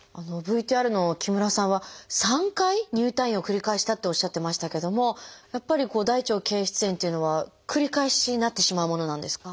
ＶＴＲの木村さんは３回入退院を繰り返したとおっしゃってましたけどもやっぱり大腸憩室炎っていうのは繰り返しなってしまうものなんですか？